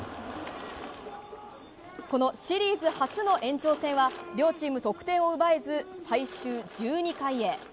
このシリーズ初の延長戦は両チーム得点を奪えず最終１２回へ。